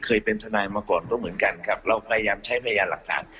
เคยเป็นทนายมาก่อนก็เหมือนกันครับเราพยายามใช้พยานหลักฐาน